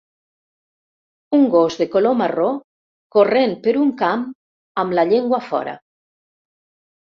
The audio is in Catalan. un gos de color marró corrent per un camp amb la llengua fora